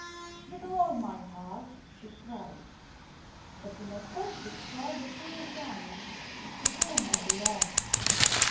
"With all my heart," she cried; "but you must first destroy the cruel giant to whom I belong.